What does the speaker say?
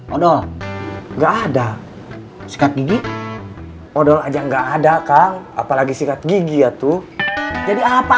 odol enggak ada sikat gigi odol aja nggak ada kang apalagi sikat gigi ya tuh jadi apa